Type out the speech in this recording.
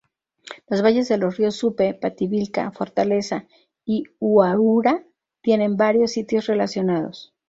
Los valles de los ríos Supe, Pativilca, Fortaleza y Huaura tienen varios sitios relacionados.